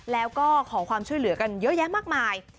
แล้วก็ขอความช่วยเหลือกันเยอะแยะมากมาย